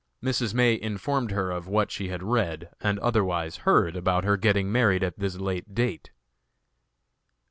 Mrs. May informed her of what she had read and otherwise heard about her getting married at this late date.